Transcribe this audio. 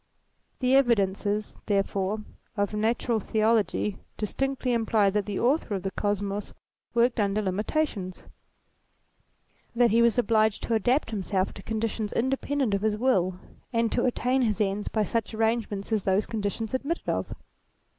The evidences, therefore, of Natural Theology distinctly imply that the author of the Kosmos worked under limitations ; that he was obliged to adapt himself to conditions independent of his will, and to attain his ends by such arrangements as those conditions admitted of.